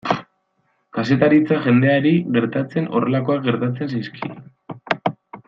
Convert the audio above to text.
Kazetaritza jendeari gertatzen horrelakoak gertatzen zaizkio.